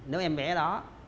nếu em bé đó